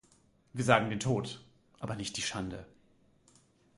Wir sagen den Tod, aber nicht die Schande.